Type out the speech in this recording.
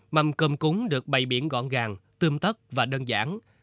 mâm cơm cúng được bày biển gọn gàng tươm tất và đơn giản